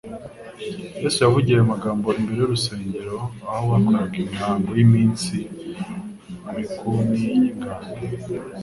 Yesu yavugiye ayo magambo imbere y'urusengero aho bakoreraga imihango y'iminsi mikun y'ingando.